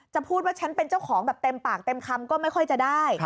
พูดว่าฉันเป็นเจ้าของแบบเต็มปากเต็มคำก็ไม่ค่อยจะได้